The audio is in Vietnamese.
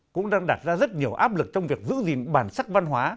cũng đang đặt ra rất nhiều áp lực trong việc giữ gìn bản sắc văn hóa